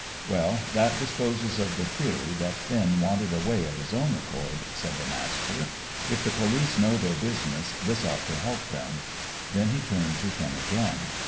"Well, that disposes of the theory that Finn wandered away of his own accord," said the Master. "If the police know their business this ought to help them." Then he turned to Finn again.